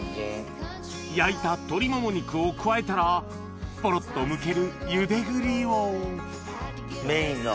焼いた鶏モモ肉を加えたらポロっとむけるゆで栗をメインの。